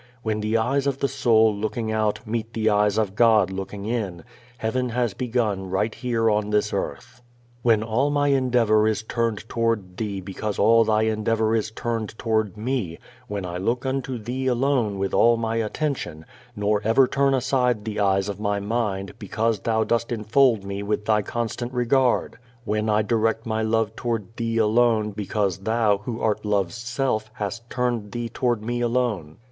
When the eyes of the soul looking out meet the eyes of God looking in, heaven has begun right here on this earth. "When all my endeavour is turned toward Thee because all Thy endeavour is turned toward me; when I look unto Thee alone with all my attention, nor ever turn aside the eyes of my mind, because Thou dost enfold me with Thy constant regard; when I direct my love toward Thee alone because Thou, who art Love's self hast turned Thee toward me alone.